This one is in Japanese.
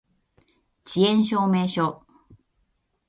遅延証明書